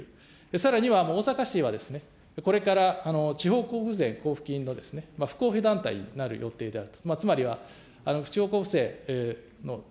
さらには大阪市は、これから地方交付税交付金のですね、団体になる予定だと。